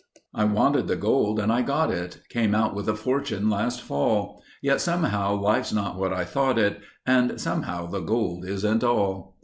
"I wanted the gold, and I got it— Came out with a fortune last fall— Yet somehow life's not what I thought it, And somehow the gold isn't all.